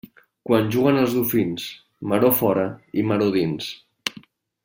Quan juguen els dofins, maror fora i maror dins.